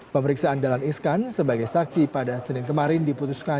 pemeriksaan dahlan iskan sebagai saksi pada senin kemarin diputuskan